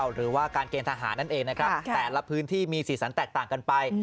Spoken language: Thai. หรือว่าการเกณฑ์ทหารนั่นเองนะครับแต่ละพื้นที่มีสีสันแตกต่างกันไป